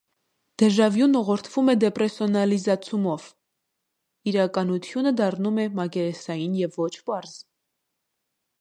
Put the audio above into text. Դեժավյուն ուղղորդվում է դեպերսոնալիզացումով. իրականությունը դառնում է մակերեսային և ոչ պարզ։